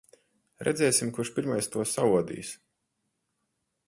Redzēsim, kurš pirmais to saodīs.